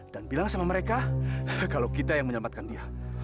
dan bilang sama mereka kalau kita yang menyelamatkan dia